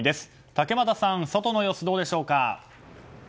竹俣さん外の様子、どうでしょうか？